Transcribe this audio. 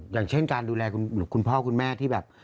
อย่างเช่นการดูแลคุณพ่อคุณแม่ที่แบบ